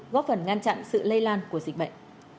góp phần ngăn chặn sự lây lan của dịch bệnh